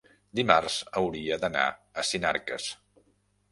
Dimarts hauria d'anar a Sinarques.